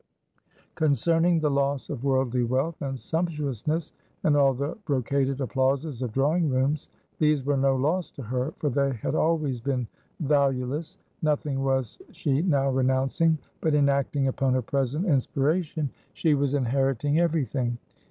Concerning the loss of worldly wealth and sumptuousness, and all the brocaded applauses of drawing rooms; these were no loss to her, for they had always been valueless. Nothing was she now renouncing; but in acting upon her present inspiration she was inheriting every thing.